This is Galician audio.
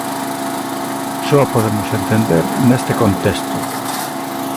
Só a podemos entender neste contexto.